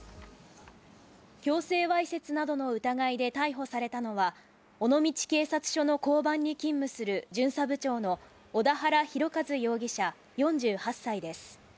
強制わいせつなどの疑いで逮捕されたのは尾道警察署の交番に勤務する巡査部長の小田原弘和容疑者、４８歳です。